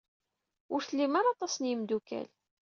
Ur tlim ara aṭas n yimeddukal.